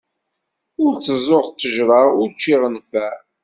Ur tteẓẓuɣ ṭejra ur ččiɣ nfeɛ.